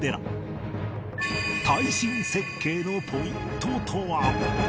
耐震設計のポイントとは？